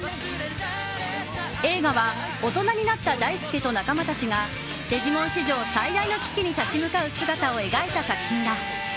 映画は大人になった大輔と仲間たちが「デジモン」史上最大の危機に立ち向かう姿を描いた作品だ。